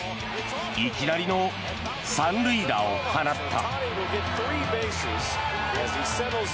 いきなりの３塁打を放った。